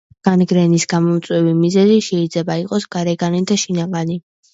განგრენის გამომწვევი მიზეზი შეიძლება იყოს გარეგანი და შინაგანი.